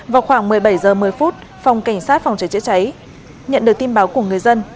vào khoảng một mươi bảy h một mươi phòng cảnh sát phòng cháy chữa cháy nhận được tin báo của người dân